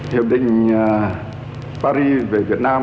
hiệp định paris về việt nam